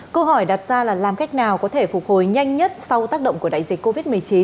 câu hỏi đặt ra là làm cách nào có thể phục hồi nhanh nhất sau tác động của đại dịch covid một mươi chín